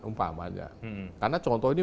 umpamanya karena contoh ini